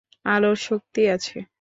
আলোর শক্তি আছে।